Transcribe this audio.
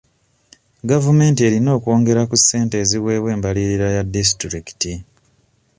Gavumenti erina okwongera ku ssente eziweebwa embalirira ya disitulikiti.